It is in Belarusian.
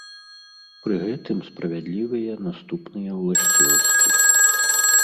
Пры гэтым справядлівыя наступныя ўласцівасці.